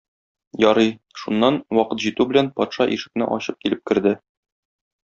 Ярый, шуннан, вакыт җитү белән, патша ишекне ачып килеп керде.